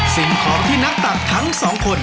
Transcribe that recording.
สิ่งของที่นักตักทั้งสองคน